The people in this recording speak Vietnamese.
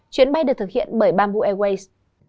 chuyến bay được thực hiện bởi bamboo airways